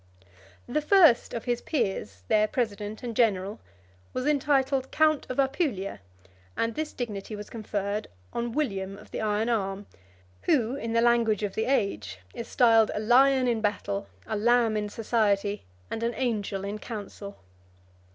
The first of his peers, their president and general, was entitled count of Apulia; and this dignity was conferred on William of the iron arm, who, in the language of the age, is styled a lion in battle, a lamb in society, and an angel in council.